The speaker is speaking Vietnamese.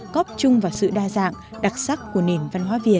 góp chung vào sự đa dạng đặc sắc của nền văn hóa việt